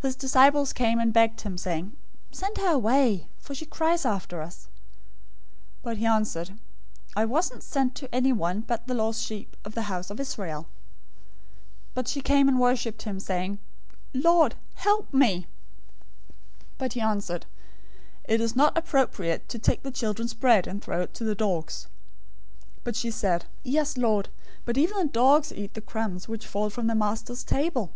His disciples came and begged him, saying, "Send her away; for she cries after us." 015:024 But he answered, "I wasn't sent to anyone but the lost sheep of the house of Israel." 015:025 But she came and worshiped him, saying, "Lord, help me." 015:026 But he answered, "It is not appropriate to take the children's bread and throw it to the dogs." 015:027 But she said, "Yes, Lord, but even the dogs eat the crumbs which fall from their masters' table."